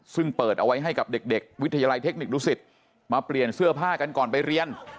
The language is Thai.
ซึ่งเปิดเอาไว้ให้กับเด็กวิทยาลัยเทคนิคดุสิตมาเปลี่ยนเสื้อผ้ากันก่อนไปเรียน